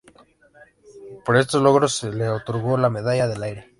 Por estos logros, se le otorgó la Medalla del Aire.